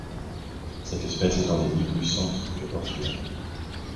Cette espèce est endémique du Centre au Portugal.